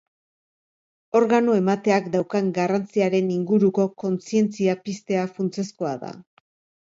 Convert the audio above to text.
Organo-emateak daukan garrantziaren inguruko kontzientzia piztea funtsezkoa da.